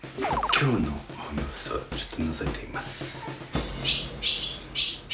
今日の様子をちょっとのぞいてみます。